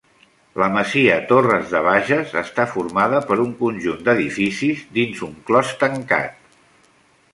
La masia Torres de Bages està formada per un conjunt d'edificis dins un clos tancat.